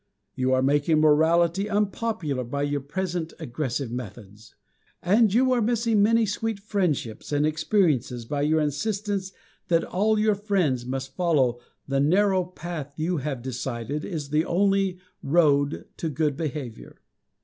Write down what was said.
You are making morality unpopular by your present aggressive methods. And you are missing many sweet friendships and experiences by your insistence that all your friends must follow the narrow path you have decided is the only road to good behaviour.